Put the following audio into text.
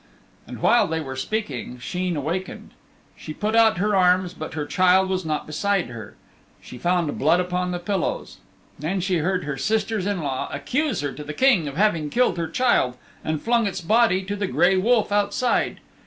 And while they were speaking Sheen awakened. She put out her arms but her child was not beside her. She found blood upon the pillows. Then she heard her sisters in law accuse her to the King of having killed her child and flung its body to the gray wolf outside.